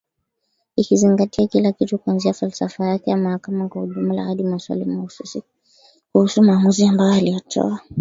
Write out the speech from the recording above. Ikizingatia kila kitu kuanzia falsafa yake ya mahakama kwa ujumla hadi maswali mahususi kuhusu maamuzi ambayo aliyatoa.